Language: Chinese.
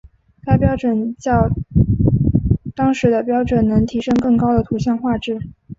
该标准较当时的标准能提升更高的图像画质。